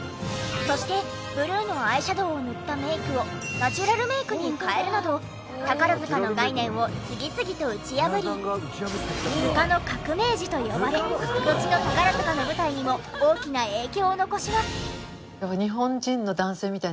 そしてブルーのアイシャドウを塗ったメイクをナチュラルメイクに変えるなど宝塚の概念を次々と打ち破り「ヅカの革命児」と呼ばれのちの宝塚の舞台にも大きな影響を残します。って思ってて。